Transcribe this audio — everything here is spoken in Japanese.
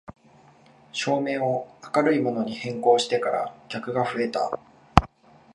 照明を明るいものに変更してから客が増えた